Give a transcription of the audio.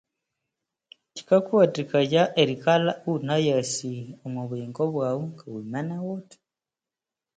Kyikathuwathikaya erikalha iwunayasi omwa buyingo bwawu ngawimene wuthi.